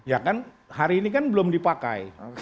ya kan hari ini kan belum dipakai